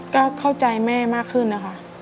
ก็เข้าใจแม่มากขึ้นนะคะ